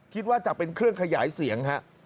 คิดว่าจะเป็นเครื่องขยายเสียงฮะ